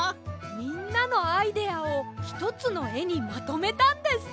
みんなのアイデアをひとつのえにまとめたんです。